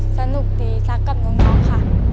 สนุกดีซักกับนุ่มน้องค่ะ